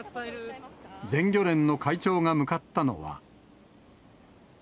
全漁連の会長が向かったのは。